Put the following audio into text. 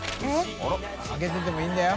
△蕁上げててもいいんだよ？